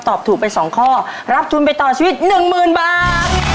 ตอบถูกไปสองข้อรับทุนไปต่อชีวิตหนึ่งหมื่นบาท